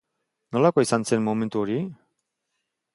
Nolakoa izan zen momentu hori?